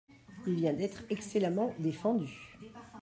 Il vient d’être excellemment défendu.